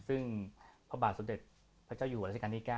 ซึ่งพระบาทสมเด็จพระเจ้าอยู่หัวราชการที่๙